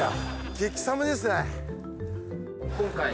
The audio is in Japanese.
激寒ですね。